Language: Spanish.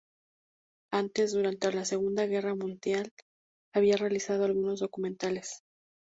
Antes, durante la Segunda Guerra Mundial, había realizado algunos documentales.